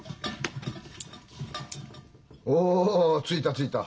おついたついた。